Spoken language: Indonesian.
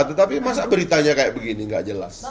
tetapi masa beritanya kayak begini nggak jelas